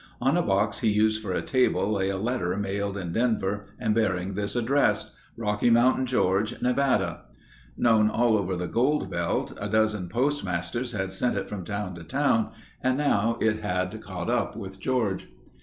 On the box he used for a table lay a letter mailed in Denver and bearing this address: "Rocky Mountain George, Nevada." Known all over the gold belt, a dozen postmasters had sent it from town to town and now it had caught up with George.